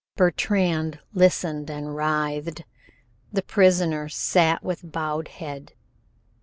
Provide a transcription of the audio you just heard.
Bertrand listened and writhed. The prisoner sat with bowed head.